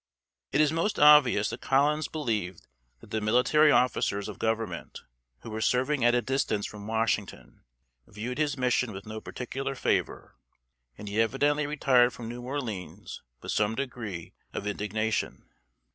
It is most obvious that Collins believed that the military officers of Government, who were serving at a distance from Washington, viewed his mission with no particular favor, and he evidently retired from New Orleans with some degree of indignation.